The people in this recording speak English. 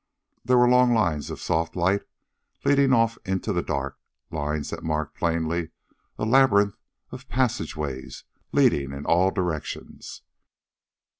There were long lines of soft light, leading off into the dark, lines that marked plainly a labyrinth of passageways, leading in all directions.